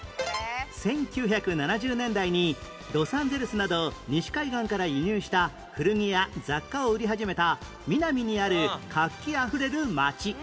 １９７０年代にロサンゼルスなど西海岸から輸入した古着や雑貨を売り始めたミナミにある活気あふれる街